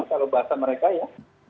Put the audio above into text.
kalau bahasa mereka ya